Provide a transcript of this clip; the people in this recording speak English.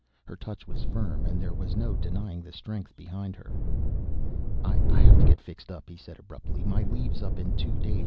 Her touch was firm, and there was no denying the strength behind her. "I have to get fixed up," he said abruptly. "My leave's up in two days.